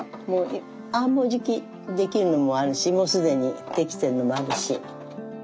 もうじき出来るのもあるしもう既に出来てるのもあるし。